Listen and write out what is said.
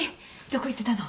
どこ行ってたの？